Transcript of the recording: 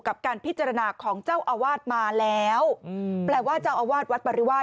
กับการพิจารณาของเจ้าอาวาสมาแล้วแปลว่าเจ้าอาวาสวัดปริวาส